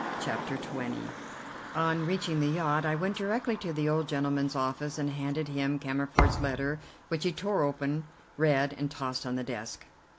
CHAPTER XX On reaching the yacht I went directly to the old gentleman's office and handed him Cammerford's letter, which he tore open, read, and tossed on the desk.